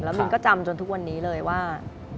มินก็จำจนทุกวันนี้เลยว่า